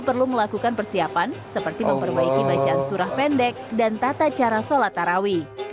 perlu melakukan persiapan seperti memperbaiki bacaan surah pendek dan tata cara sholat tarawih